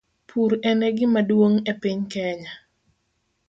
Pur en e gima duong' e piny Kenya,